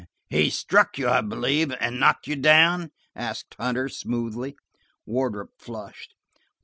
"He struck you, I believe, and knocked you down?" asked Hunter smoothly. Wardrop flushed.